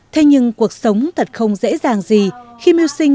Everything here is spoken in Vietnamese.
thế nhưng cuộc sống thật không dễ dàng gì